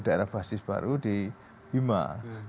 daerah basis baru di bima